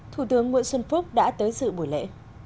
thủ tướng nguyễn xuân phúc đã tới sự buổi lễ